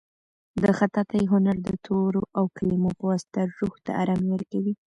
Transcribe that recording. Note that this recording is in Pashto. د خطاطۍ هنر د تورو او کلیمو په واسطه روح ته ارامي ورکوي.